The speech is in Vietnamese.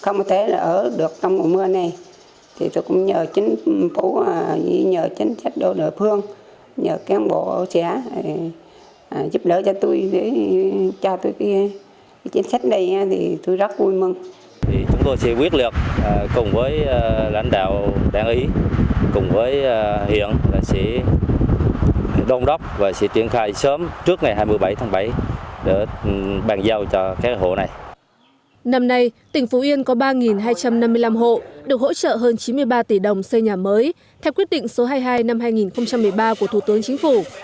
năm nay tỉnh phú yên có ba hai trăm năm mươi năm hộ được hỗ trợ hơn chín mươi ba tỷ đồng xây nhà mới theo quyết định số hai mươi hai năm hai nghìn một mươi ba của thủ tướng chính phủ